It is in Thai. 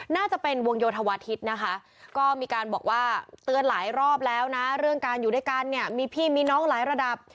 น่าจะเป็นวงโยธวาทิศนะคะก็มีการบอกว่าเตือนหลายรอบแล้วนะเรื่องการอยู่ด้วยกันเนี่ยมีพี่มีน้องหลายระดับ